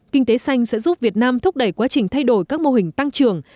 kinh tế xanh sẽ giúp việt nam thúc đẩy quá trình thay đổi các mô hình tăng trưởng